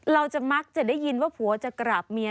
เราจะมักจะได้ยินว่าผัวจะกราบเมีย